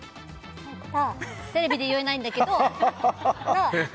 テレビでは言えないんだけど。